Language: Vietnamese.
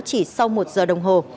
chỉ sau một giờ đồng hồ